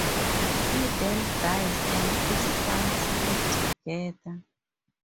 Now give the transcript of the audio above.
He then dies, and his sons leave together.